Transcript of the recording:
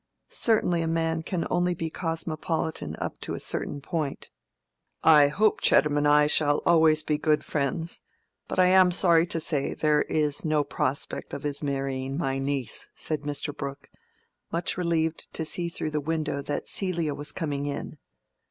Certainly a man can only be cosmopolitan up to a certain point. "I hope Chettam and I shall always be good friends; but I am sorry to say there is no prospect of his marrying my niece," said Mr. Brooke, much relieved to see through the window that Celia was coming in.